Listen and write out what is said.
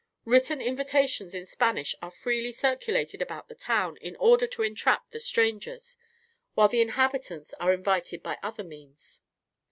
Written invitations in Spanish are freely circulated about the town in order to entrap the strangers, while the inhabitants are invited by other means.